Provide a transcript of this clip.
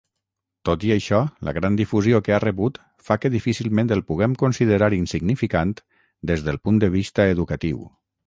Tot i això, la gran difusió que ha rebut fa que difícilment el puguem considerar insignificant des del punt de vista educatiu.